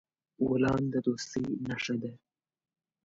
ګلان د دوستۍ نښه ده.